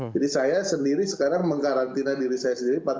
jadi saya sendiri sekarang mengkarantina diri saya sendiri empat belas hari pak